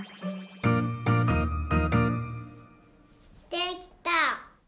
できた！